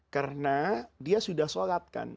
karena dia sudah sholat kan